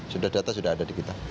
sudah data sudah ada di kita